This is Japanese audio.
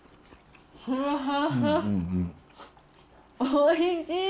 おいしい。